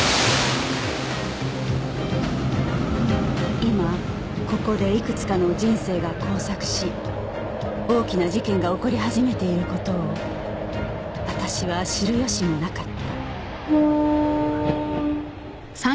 今ここでいくつかの人生が交錯し大きな事件が起こり始めている事を私は知る由もなかった